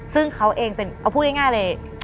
ซึ่งเขาเองเป็นเอาพูดง่ายเลย